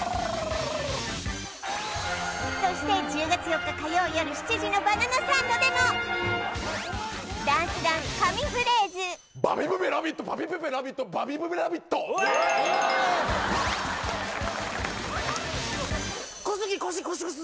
そして１０月４日火曜夜７時のバナナサンドでもダンスダンス噛み